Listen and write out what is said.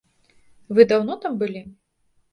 Вы даўно там былі?